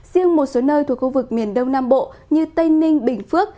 riêng một số nơi thuộc khu vực miền đông nam bộ như tây ninh bình phước